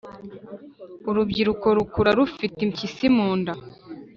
urubyiruko rukura rufite impyisi munda